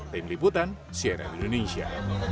tim liputan sierra indonesia